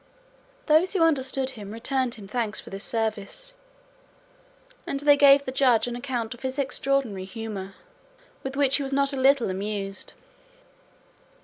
Those who understood him returned him thanks for this service, and they gave the Judge an account of his extraordinary humour, with which he was not a little amused.